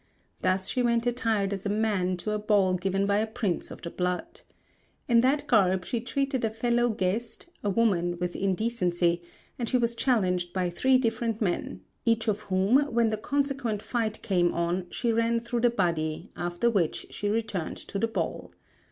Thus she went attired as a man to a ball given by a Prince of the blood. In that garb she treated a fellow guest, a woman, with indecency; and she was challenged by three different men each of whom, when the consequent fight came on, she ran through the body, after which she returned to the ball.